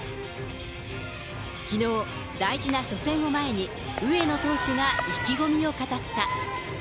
きのう、大事な初戦を前に、上野投手が意気込みを語った。